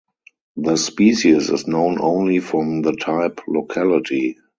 The species is known only from the type locality.